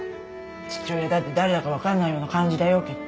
父親だって誰だかわかんないような感じだよきっと。